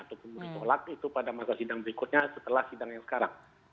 atau kemudian tolak itu pada masa sidang berikutnya setelah sidang yang sekarang